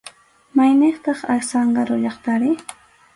¿Mayniqtaq Azángaro llaqtari?